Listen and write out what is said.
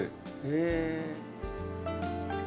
へえ。